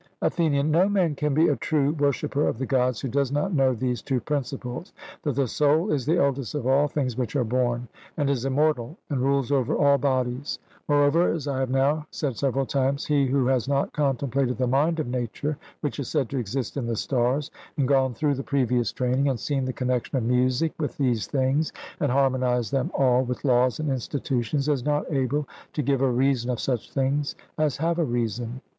ATHENIAN: No man can be a true worshipper of the Gods who does not know these two principles that the soul is the eldest of all things which are born, and is immortal and rules over all bodies; moreover, as I have now said several times, he who has not contemplated the mind of nature which is said to exist in the stars, and gone through the previous training, and seen the connexion of music with these things, and harmonized them all with laws and institutions, is not able to give a reason of such things as have a reason.